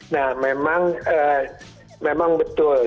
nah memang betul